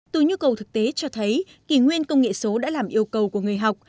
từ nhu cầu thực tế cho thấy kỷ nguyên công nghệ số đã làm yêu cầu của người học